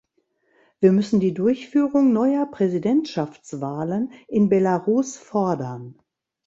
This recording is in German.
Wir müssen die Durchführung neuer Präsidentschaftswahlen in Belarus fordern.